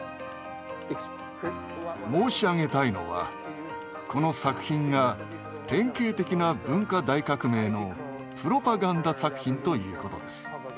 申し上げたいのはこの作品が典型的な文化大革命のプロパガンダ作品ということです。